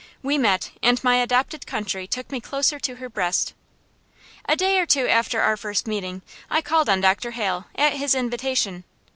We met, and my adopted country took me closer to her breast. A day or two after our first meeting I called on Dr. Hale, at his invitation.